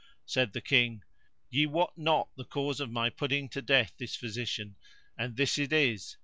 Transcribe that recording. Said the King, "Ye wot not the cause of my putting to death this physician, and this it is.